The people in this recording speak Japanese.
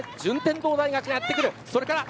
そして順天堂大学がやってくる。